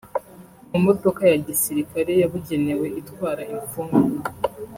mu modoka ya gisirikare yabugenewe itwara imfungwa